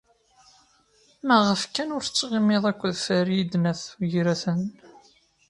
Maɣef kan ur tettɣimiḍ akked Farid n At Yiraten?